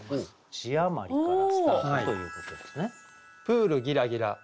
字余りからスタートということですね。